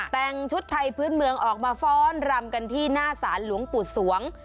แต่งชุดไทยพื้นเมืองออกมาฟ้อนรำกันที่หน้าศาลหลวงปู่สวง